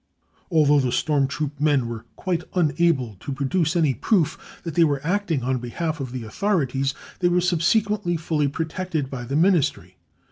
Although the storm troop men were quite unable to produce any proof that they were acting on behalf of the authorities, they were subsequently fully protected by the Ministry.